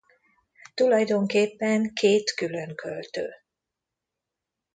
Tulajdonképpen két külön költő.